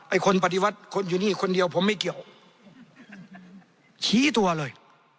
คนปฏิวัติคนอยู่นี่คนเดียวผมไม่เกี่ยวชี้ตัวเลย